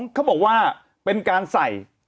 เขาบอกว่าเป็นการใส่